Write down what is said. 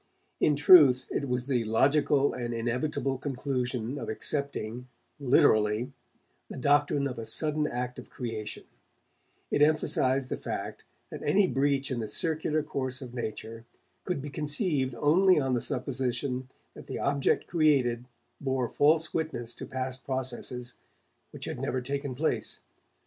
In truth, it was the logical and inevitable conclusion of accepting, literally, the doctrine of a sudden act of creation; it emphasized the fact that any breach in the circular course of nature could be conceived only on the supposition that the object created bore false witness to past processes, which had never taken place.